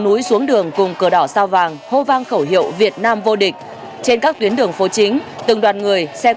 u hai mươi ba việt nam là nhà vô địch chúng em rồi